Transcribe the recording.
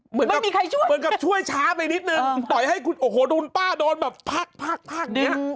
เหมือนกับช่วยช้าไปนิดนึงต่อยให้โอ้โฮดูนป้าโดนแบบพักเนี่ย